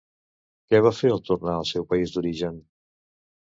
Què va fer al tornar al seu país d'origen?